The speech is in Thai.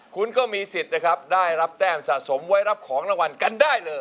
คุณก็มีสิทธิ์นะครับได้รับแต้มสะสมไว้รับของรางวัลกันได้เลย